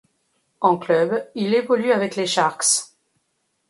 En club, il évolue avec les Sharks.